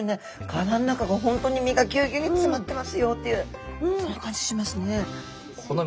殻の中が本当に身がぎゅうぎゅうに詰まってますよっていうそんな感じしますね。